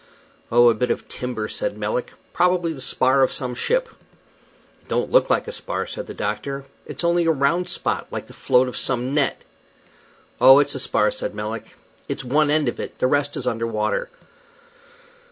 "Oh, a bit of timber," said Melick. "Probably the spar of some ship." "It don't look like a spar," said the doctor; "it's only a round spot, like the float of some net." "Oh, it's a spar," said Melick. "It's one end of it, the rest is under water."